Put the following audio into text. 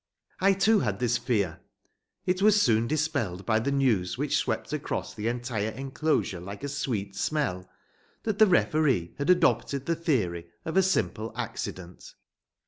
I too had this fear. It was soon dispelled by the news which swept across the entire enclosure like a sweet smell, that the referee had adopted the theory of a simple accident.